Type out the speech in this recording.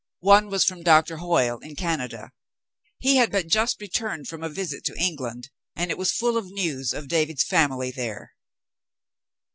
One was from Doctor Hoyle in Canada. He had but just returned from a visit to England, and it was full of news of David's family there.